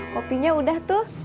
kopinya udah tuh